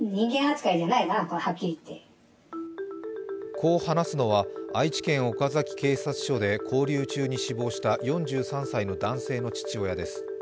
こう話すのは愛知県岡崎警察署で勾留中に死亡した４３歳の男性の父親です。